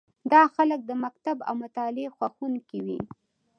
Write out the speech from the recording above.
دا خلک د مکتب او مطالعې خوښوونکي وي.